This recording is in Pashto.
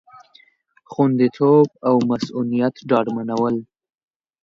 خوندیتوب او مصئونیت ډاډمنول